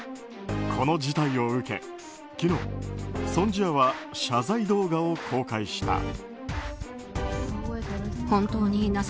この事態を受け、昨日ソン・ジアは謝罪動画を公開した。